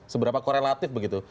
seberapa korelatif begitu